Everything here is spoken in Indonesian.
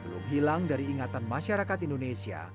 belum hilang dari ingatan masyarakat indonesia